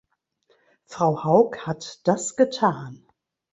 Frau Haug hat das getan.